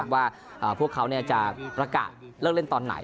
ว่าพวกเขาจะประกาศเลิกเล่นตอนไหน